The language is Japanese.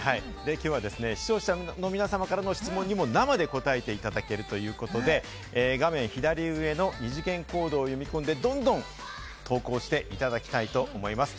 きょうは視聴者の皆さまからの質問にも生で答えていただけるということで、画面左上の二次元コードを読み込んで、どんどん投稿していただきたいと思います。